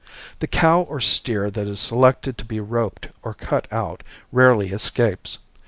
The cow or steer that is selected to be roped or cut out rarely escapes.